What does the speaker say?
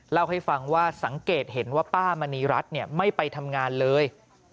เล่าให้ฟังว่าสังเกตเห็นว่าป้ามณีรัฐไม่ไปทำงานเลย